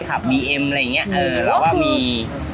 ขับบีเอ็มอะไรอย่างนี้เราก็มี